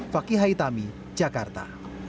fakih haithami jakarta